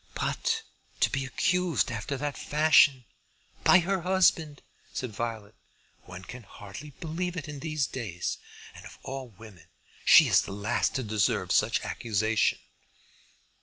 "But to be accused after that fashion, by her husband!" said Violet. "One can hardly believe it in these days. And of all women she is the last to deserve such accusation."